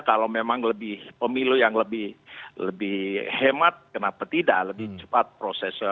kalau memang lebih pemilu yang lebih hemat kenapa tidak lebih cepat prosesnya